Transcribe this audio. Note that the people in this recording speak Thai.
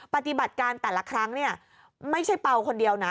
ปฏิบัติการแต่ละครั้งเนี่ยไม่ใช่เปล่าคนเดียวนะ